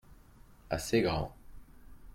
assez grand.